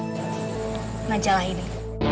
jom jangan kejar lah ini